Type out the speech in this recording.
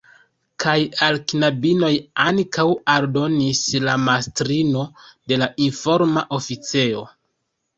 Kaj al knabinoj ankaŭ, aldonis la mastrino de la informa oficejo.